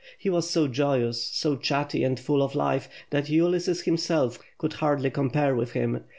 He was so joyous, so chatty, and full of life, that Ulysses himself could hardly compare with him.